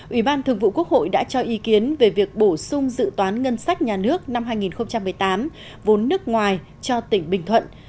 ủy ban thường vụ quốc hội đã cho ý kiến về việc bổ sung dự toán ngân sách nhà nước năm hai nghìn một mươi tám vốn nước ngoài cho tỉnh bình thuận